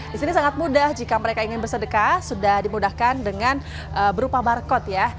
di sini sangat mudah jika mereka ingin bersedekah sudah dimudahkan dengan berupa barcode ya